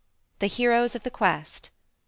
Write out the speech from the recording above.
The Heroes of the Quest I.